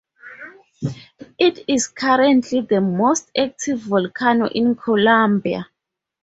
It is currently the most active volcano in Colombia.